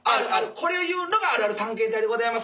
これを言うのがあるある探検隊でございます」